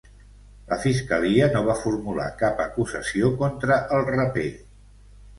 La fiscalia no va formular cap acusació contra el raper.